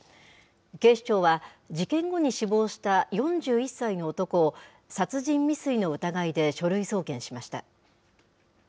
警視庁は、事件後に死亡した４１歳の男を、殺人未遂の疑いで書類送検しました。